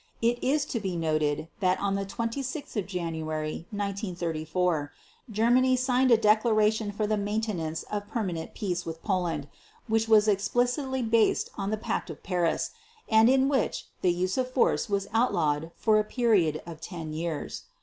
It is to be noted that on 26 January 1934 Germany signed a Declaration for the Maintenance of Permanent Peace with Poland, which was explicitly based on the Pact of Paris, and in which the use of force was outlawed for a period of 10 years.